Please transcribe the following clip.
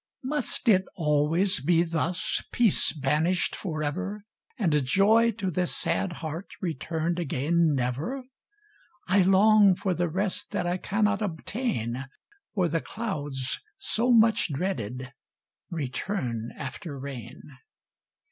Must it always be thus, peace banished forever, And joy to this sad heart returned again never? I long for the rest that I cannot obtain, For the clouds, so much dreaded, return after rain.